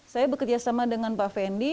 saya bekerjasama dengan pak fendi